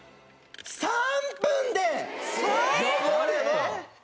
３分で！？